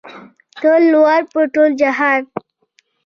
ته لوړ په ټول جهان